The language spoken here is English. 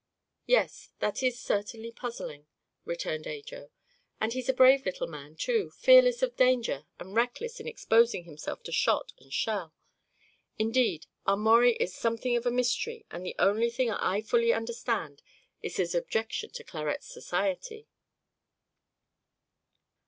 "Yes, that is certainly puzzling," returned Ajo. "And he's a brave little man, too, fearless of danger and reckless in exposing himself to shot and shell. Indeed, our Maurie is something of a mystery and the only thing I fully understand is his objection to Clarette's society."